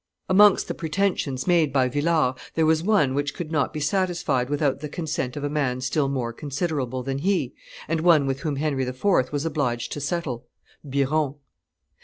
Amongst the pretensions made by Villars there was one which could not be satisfied without the consent of a man still more considerable than he, and one with whom Henry IV. was obliged to settle Biron.